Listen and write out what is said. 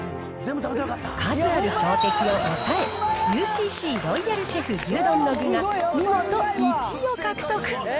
数ある強敵を抑え、ＵＣＣロイヤルシェフ牛丼の具が、見事１位を獲得。